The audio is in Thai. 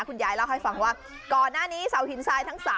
คุณยายเล่าให้ฟังว่าก่อนหน้านี้เสาหินทรายทั้ง๓